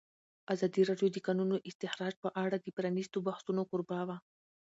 ازادي راډیو د د کانونو استخراج په اړه د پرانیستو بحثونو کوربه وه.